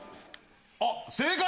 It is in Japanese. あっ正解！